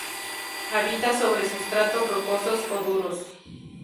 Habita sobre sustratos rocosos o duros.